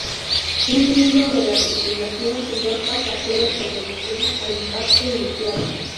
Un miembro de la tripulación y dos pasajeros sobrevivieron al impacto inicial.